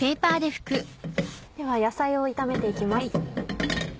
では野菜を炒めて行きます。